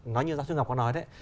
nói như giáo sư ngọc có nói đấy